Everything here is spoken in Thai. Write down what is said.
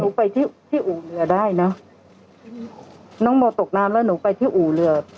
ไปที่ที่อู่เรือได้เนอะน้องโมตกน้ำแล้วหนูไปที่อู่เรือ